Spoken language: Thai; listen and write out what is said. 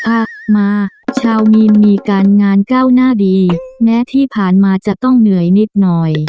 อ่ะมาชาวมีนมีการงานก้าวหน้าดีแม้ที่ผ่านมาจะต้องเหนื่อยนิดหน่อย